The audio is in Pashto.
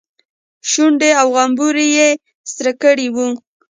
شونډې او غومبري يې سره کړي وو.